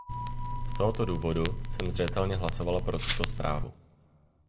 Z tohoto důvodu jsem zřetelně hlasovala pro tuto zprávu.